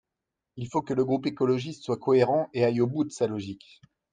Il faut que le groupe écologiste soit cohérent et aille au bout de sa logique.